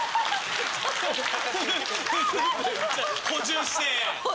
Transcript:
補充して。